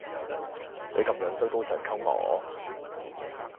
你咁樣衰都想溝我？